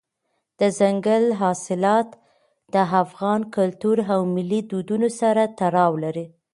دځنګل حاصلات د افغان کلتور او ملي دودونو سره تړاو لري.